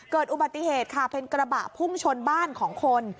เกิดอุบัติเหตุค่ะเป็นกระบะพุ่งชนบ้านของคน